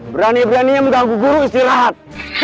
berani beraninya mengganggu guru istirahat